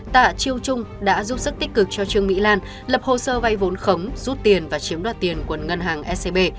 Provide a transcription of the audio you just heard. tạ chiêu trung đã giúp sức tích cực cho trương mỹ lan lập hồ sơ vay vốn khống rút tiền và chiếm đoạt tiền của ngân hàng scb